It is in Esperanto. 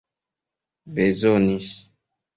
bezonis